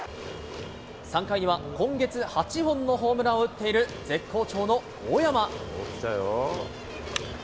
３回には今月８本のホームランを打っている、絶好調の大山。